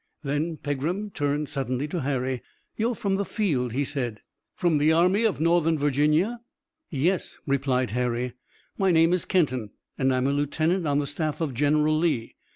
Then Pegram turned suddenly to Harry. "You're from the field?" he said. "From the Army of Northern Virginia?" "Yes," replied Harry. "My name is Kenton and I'm a lieutenant on the staff of General Lee.